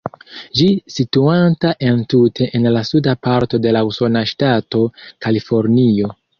Ĝi situanta entute en la suda parto de la usona ŝtato Kalifornio.